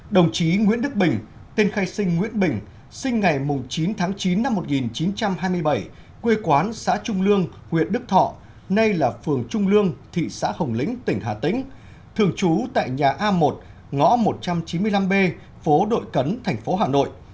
đồng chí nguyễn đức bình tên khai sinh nguyễn bình sinh ngày chín tháng chín năm một nghìn chín trăm hai mươi bảy quê quán xã trung lương huyện đức thọ nay là phường trung lương thị xã hồng lĩnh tỉnh hà tĩnh thường trú tại nhà a một ngõ một trăm chín mươi năm b phố đội cấn thành phố hà nội